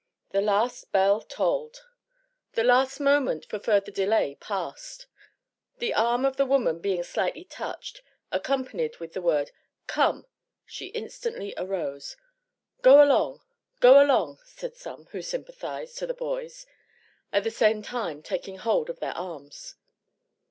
The last bell tolled! The last moment for further delay passed! The arm of the woman being slightly touched, accompanied with the word, "Come!" she instantly arose. "Go along go along!" said some, who sympathized, to the boys, at the same time taking hold of their arms.